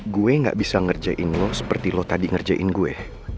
gue gak bisa ngerjain lo seperti lo tadi ngerjain gue